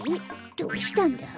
どうしたんだ？